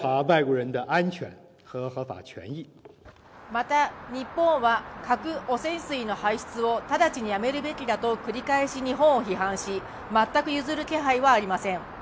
また、日本は核汚染水の排出を直ちにやめるべきだと繰り返し日本を批判し、全く譲る気配はありません。